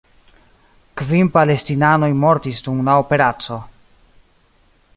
Kvin palestinanoj mortis dum la operaco.